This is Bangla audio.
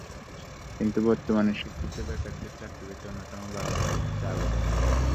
কিন্তু বর্তমানে শিক্ষিত বেকারদের চাকরি পেতে অন্যতম বাধা হচ্ছে আবেদন ফি।